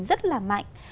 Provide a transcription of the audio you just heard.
rất là mạnh